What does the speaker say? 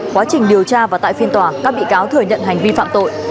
quá trình điều tra và tại phiên tòa các bị cáo thừa nhận hành vi phạm tội